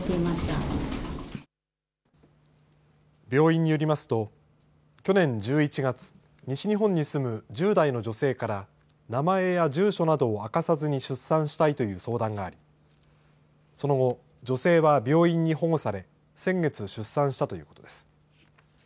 病院によりますと去年１１月、西日本に住む１０代の女性から名前や住所などを明かさずに出産したいという相談がありその後、女性は病院に保護され先月、出産したということです。